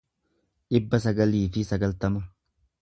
dhibba sagalii fi sagaltama